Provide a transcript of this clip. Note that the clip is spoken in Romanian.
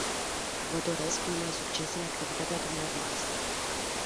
Vă doresc numai succes în activitatea dumneavoastră.